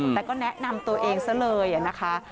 แต่ก็แนะนำตัวเองซะเลยนะคะ